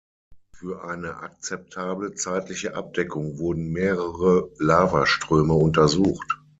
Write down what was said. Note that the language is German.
Für eine akzeptable zeitliche Abdeckung wurden mehrere Lavaströme untersucht.